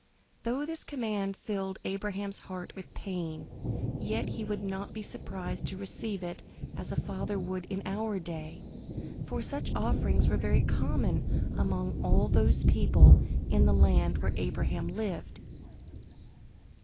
Though this command filled Abraham's heart with pain, yet he would not be as surprised to receive it as a father would in our day; for such offerings were very common among all those people in the land where Abraham lived.